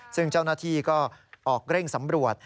ซึ่งเจ้าหน้าที่ก็ออกเร่งสำรวจ